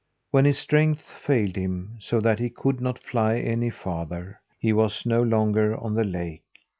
When his strength failed him, so that he could not fly any farther, he was no longer on the lake.